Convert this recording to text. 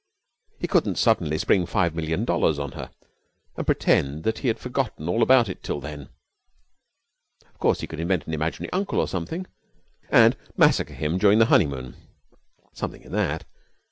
He couldn't suddenly spring five million dollars on her and pretend that he had forgotten all about it till then. Of course, he could invent an imaginary uncle or something, and massacre him during the honeymoon. Something in that.